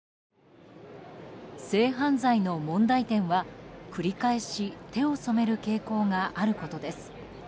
性犯罪の問題点は、繰り返し手を染める傾向があることです。